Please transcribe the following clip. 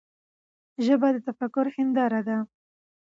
ژبه د تفکر هنداره ده.